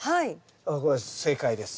これ正解です。